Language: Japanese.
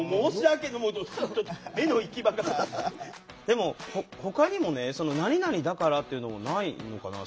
でもほかにもね何々だからっていうのもないのかな？